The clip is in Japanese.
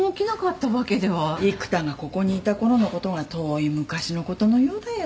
育田がここにいたころのことが遠い昔のことのようだよ。